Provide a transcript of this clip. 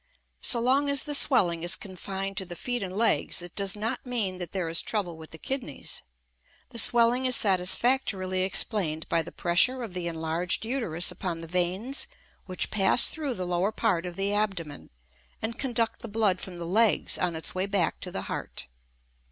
So long as the swelling is confined to the feet and legs it does not mean that there is trouble with the kidneys; the swelling is satisfactorily explained by the pressure of the enlarged uterus upon the veins which pass through the lower part of the abdomen and conduct the blood from the legs on its way back to the heart.